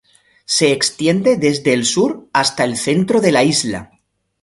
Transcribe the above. Se extiende desde el sur hasta el centro de la isla.